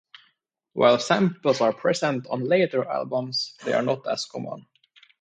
While samples are present on later albums they are not as common.